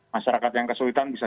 masyarakat yang kesulitan bisa